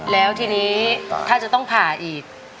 แล้วทีนี้ถ้าจะต้องผ่าอีก